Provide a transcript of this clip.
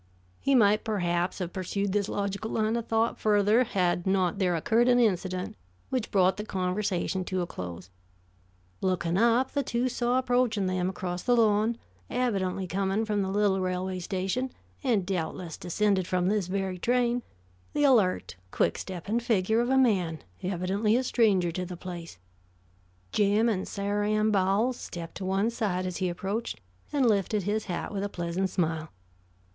He might perhaps have pursued this logical line of thought further, had not there occurred an incident which brought the conversation to a close. Looking up, the two saw approaching them across the lawn, evidently coming from the little railway station, and doubtless descended from this very train, the alert, quick stepping figure of a man evidently a stranger to the place. Jim and Sarah Ann Bowles stepped to one side as he approached and lifted his hat with a pleasant smile.